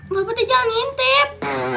bapak tijal ngintip